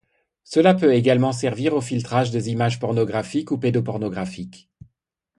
Cela peut également servir au filtrage des images pornographiques ou pédopornographiques.